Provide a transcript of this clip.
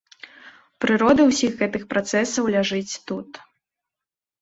Прырода ўсіх гэтых працэсаў ляжыць тут.